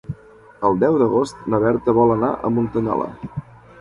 El deu d'agost na Berta vol anar a Muntanyola.